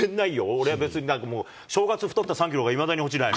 俺は別に正月太った３キロがいまだに落ちない。